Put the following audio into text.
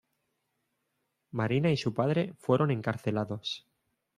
Marina y su padre fueron encarcelados.